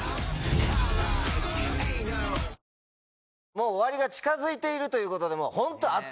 もう終わりが近づいているということでホント。